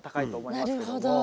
なるほど。